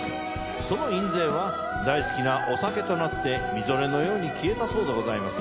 その印税は大好きなお酒となってみぞれのように消えたそうでございます。